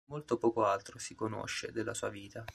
Molto poco altro si conosce della sua vita.